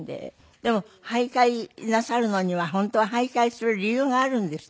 でも徘徊なさるのには本当は徘徊する理由があるんですって？